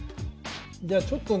じゃあちょっとね